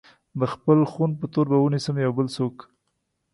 د خپل خون په تور به ونيسم يو بل څوک